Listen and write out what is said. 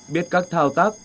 biết các thao tác